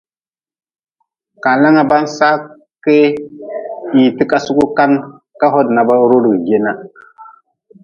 Kalanga ba-n saa kee hii ti ka sugi kan ka hodi na ba rodigi jeena.